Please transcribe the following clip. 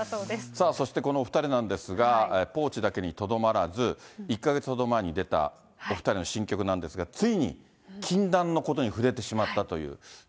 さあそしてこのお２人なんですが、ポーチだけにとどまらず、１か月ほど前に出たお２人の新曲なんですが、ついに禁断のことに触れてしまったという。